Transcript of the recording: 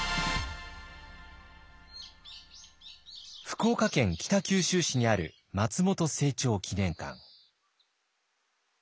福岡県北九州市にある松本清張記念館。